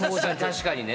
確かにね。